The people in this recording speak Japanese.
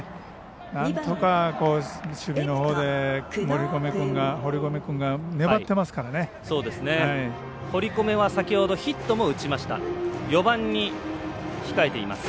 なんとか守備のほうで堀米君が堀米は先ほどヒットも打ちました。